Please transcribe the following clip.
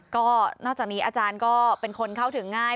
ก็นอกจากนี้อาจารย์ก็เป็นคนเข้าถึงง่าย